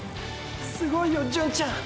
すごいよ純ちゃん！！